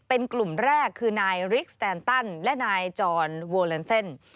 เป็นกลุ่มแรกคือนายริกสแตนตันและนายจรโวแลนเซ่น